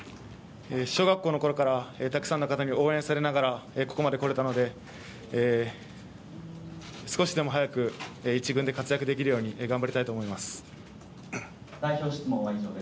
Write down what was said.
小学校のころから、たくさんの方に応援されながら、ここまで来れたので少しでも早く一軍で活躍できるように頑張りたいと思います。